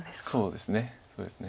そうですね。